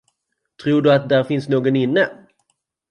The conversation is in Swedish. Tror du att där finns någon inne?